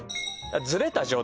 ずれた状態